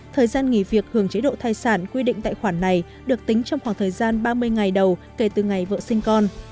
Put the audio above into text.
thời gian nghỉ việc hưởng chế độ thai sản quy định tại khoản này được tính trong khoảng thời gian ba mươi ngày đầu kể từ ngày vợ sinh con